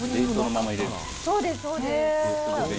そうです、そうです。